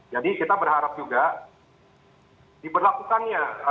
jadi kita berharap juga diberlakukannya